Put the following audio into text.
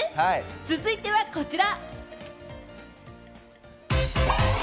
続いてはこちら。